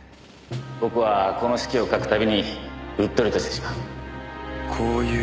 僕はこの式を書くたびにうっとりとしてしまう。